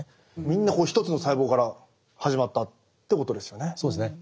みんな１つの細胞から始まったということですよね。